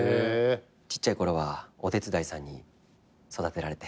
ちっちゃいころはお手伝いさんに育てられて。